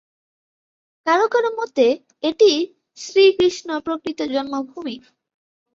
কারও কারও মতে এটিই শ্রীকৃষ্ণ প্রকৃত জন্মভূমি।